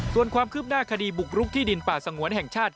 ส่วนความคืบหน้าคดีบุกรุกที่ดินป่าสงวนแห่งชาติ